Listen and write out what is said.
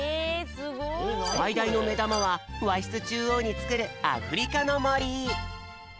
さいだいのめだまはわしつちゅうおうにつくるアフリカのもり。